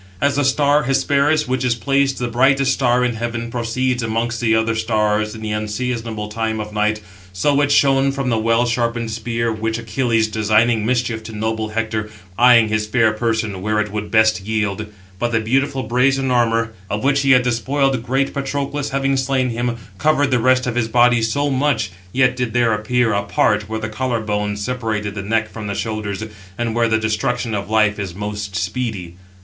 As the star Hesperus, which is placed the brightest star in heaven, 707 proceeds amongst other stars in the unseasonable time of night, so it shone from the well sharpened spear which Achilles, designing mischief to noble Hector, brandished in his right hand, eyeing his fair person, where it would best yield. But the beautiful brazen armour, of which he had despoiled great Patroclus, having slain him, covered the rest of his body so much; yet did there appear [a part] where the collar bones separate the neck from the shoulders, and where the destruction of life is most speedy.